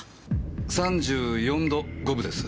３４度５分です。